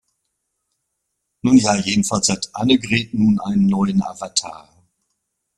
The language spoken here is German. Nun ja, jedenfalls hat Annegret nun einen neuen Avatar.